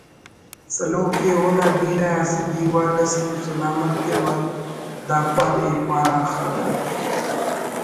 سلوک ءِ اونا بیرہ اسہ دیوال اس تو سلامت ءِ و داپار ایپار آن خلقت